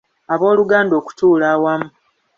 Abooluganda okutuula awamu.